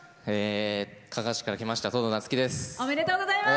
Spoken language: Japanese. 加賀市から来ましたとうどうです。